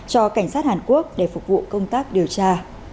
cho cảnh sát hàn quốc để phục vụ công tác điều tra